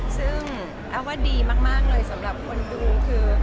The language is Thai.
ซึ่งแอฟว่าดีมากเลยสำหรับคนดูคือ